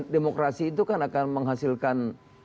demokrasi itu kan akan menghasilkan